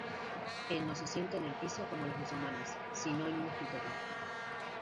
Él no se sienta en el piso como los musulmanes sino en un escritorio.